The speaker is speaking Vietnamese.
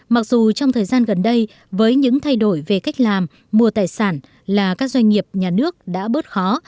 mặc dù trong thời gian gần đây với những thay đổi về cách làm mua tài sản là các doanh nghiệp nhà nước đã bớt khó